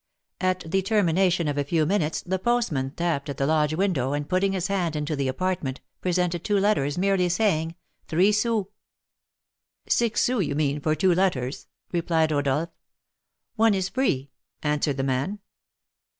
At the termination of a few minutes the postman tapped at the lodge window, and putting his hand into the apartment, presented two letters, merely saying, "Three sous." "Six sous, you mean, for two letters," replied Rodolph. "One is free," answered the man.